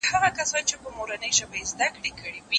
که در طریقت ما کافری است رنجیدن »